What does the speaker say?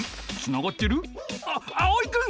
あっあおいくん！